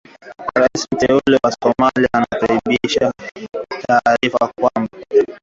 Rais mteule wa Somalia anakaribisha taarifa kwamba kikosi maalum cha operesheni cha Marekani